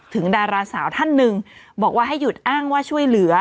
ดาราสาวท่านหนึ่งบอกว่าให้หยุดอ้างว่าช่วยเหลือ